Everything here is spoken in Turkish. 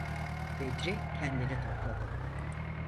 Bedri kendini topladı.